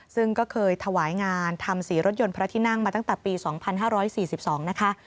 ซึ่งก็เคยถวายงานทำสีรถยนต์พระที่นั่งมาตั้งแต่ปี๒๕๔๒นะคะ